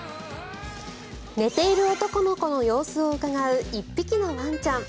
寝ている男の子の様子をうかがう１匹のワンちゃん。